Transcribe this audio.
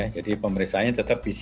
jadi pemeriksaannya tetap pcr